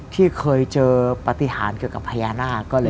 ที่เคยเจอปฏิหารเกี่ยวกับพญานาค